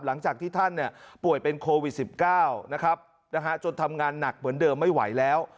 หลังจากที่ท่านป่วยเป็นโควิด๑๙นะครับจนทำงานหนักเหมือนเดิมไม่ไหวแล้ว